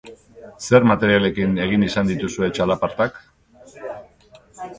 Zer materialekin egin izan dituzue txalapartak?